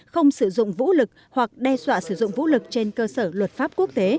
không sử dụng vũ lực hoặc đe dọa sử dụng vũ lực trên cơ sở luật pháp quốc tế